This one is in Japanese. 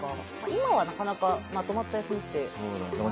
今はなかなかまとまった休みってないか。